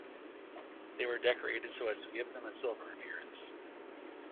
They were decorated so as to give them a silver appearance.